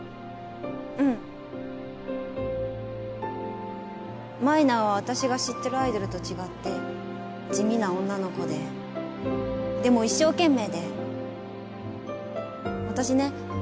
うん舞菜は私が知ってるアイドルと違って地味な女の子ででも一生懸命で私ね